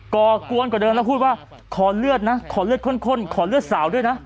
ก่อกวนกว่าเดิมแล้วพูดว่าขอเลือดนะขอเลือดข้นขอเลือดสาวด้วยนะ